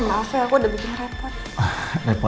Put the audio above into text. ma maaf ya aku udah bikin repot